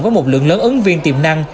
với một lượng lớn ấn viên tiềm năng